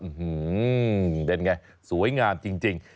อื้อฮือเป็นไงสวยงามจริง